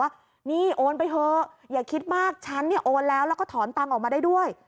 ว่านี่โอนไปเถอะอย่าคิดมากฉันเนี่ยโอนแล้วแล้วก็ถอนตังค์ออกมาได้ด้วย